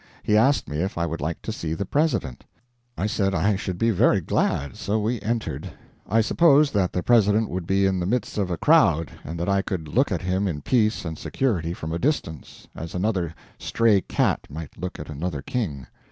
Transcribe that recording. He asked me if I would like to see the President. I said I should be very glad; so we entered. I supposed that the President would be in the midst of a crowd, and that I could look at him in peace and security from a distance, as another stray cat might look at another king.